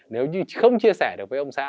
nếu như không chia sẻ được với ông xã